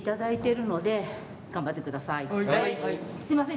すいません。